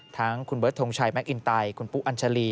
ทั้งคุณเบิร์ดทงชัยแมคอินไตคุณปุ๊อัญชาลี